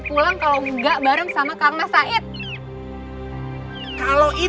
aku ingin writes dengan kamu sekali